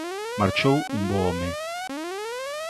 Marchou un bo home.